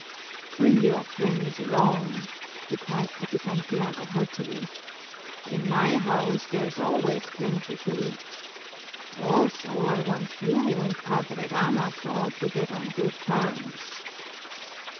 "Bring your friends along," replied Capitan Tiago heartily. "In my house there's always plenty to eat. Also, I want you and Padre Damaso to get on good terms."